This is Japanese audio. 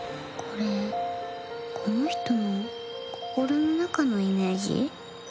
これ、この人の心の中のイメージ？